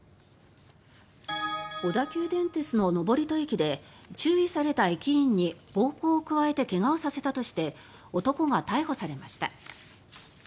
小田急電鉄の登戸駅で注意された駅員に暴行を加えて怪我をさせたとして男が逮捕されました。